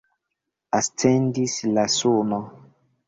Ascendis la suno.